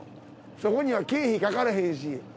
そこには経費かからへんし。